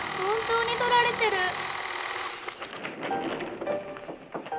本当に撮られてる。